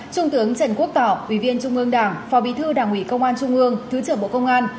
trung tướng trần quốc tỏ ủy viên trung ương đảng phó bí thư đảng ủy công an trung ương thứ trưởng bộ công an